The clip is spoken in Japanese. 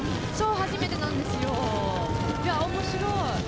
初めてなんですよ、おもしろい。